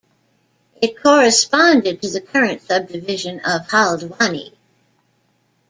It corresponded to the current sub-division of Haldwani.